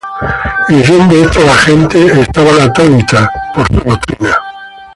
Y oyendo esto las gentes, estaban atónitas de su doctrina.